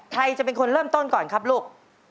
ใครจะเป็นคนเริ่มต้นก่อนครับลูก